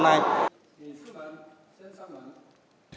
năm nay phía nước bạn trung quốc